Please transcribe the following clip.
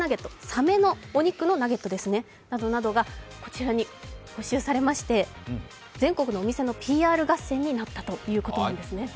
さめのお肉のナゲットですね、などなどが、こちらに募集されまして、全国のお店のＰＲ合戦になったということなんですね。